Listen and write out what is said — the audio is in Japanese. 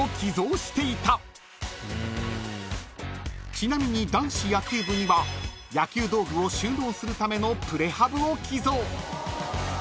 ［ちなみに男子野球部には野球道具を収納するためのプレハブを寄贈］